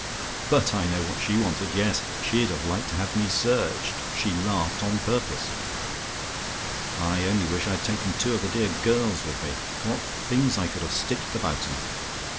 "But I know what she wanted; yes she'd have liked to have had me searched. She laughed on purpose. "I only wish I'd taken two of the dear girls with me. What things I could have stitched about 'em!